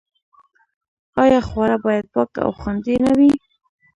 آیا خواړه باید پاک او خوندي نه وي؟